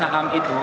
yang saham itu